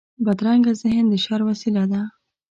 بدرنګه ذهن د شر وسيله ده